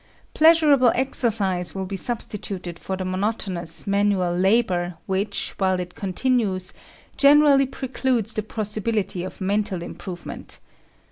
Pleasurable exercise will be substituted for the monotonous, manual labour which, while it continues, generally precludes the possibility of mental improvement.